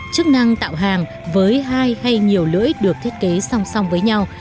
chức năng tạo hàng với hai hay nhiều lưỡi được thiết kế song song với nhau